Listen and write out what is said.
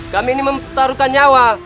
kami ini mempertaruhkan nyawa